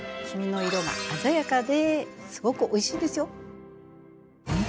黄身の色が鮮やかですごくおいしいですよ。